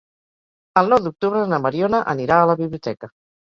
El nou d'octubre na Mariona anirà a la biblioteca.